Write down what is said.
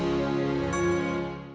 aku sudah berubah